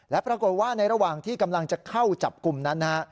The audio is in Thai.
และปรากฏว่าในระหว่างที่กำลังจะเข้าจับกลุ่มนั้นนะฮะ